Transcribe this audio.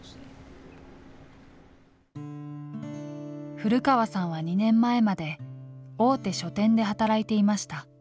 古川さんは２年前まで大手書店で働いていました。